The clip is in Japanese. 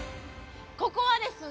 ここはですね